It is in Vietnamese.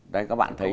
đây các bạn thấy